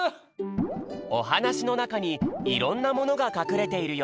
おはなしのなかにいろんなものがかくれているよ。